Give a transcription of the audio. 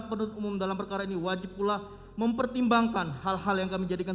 penutup umum dalam perkara ini wajib pula mempertimbangkan hal hal yang kami jadikan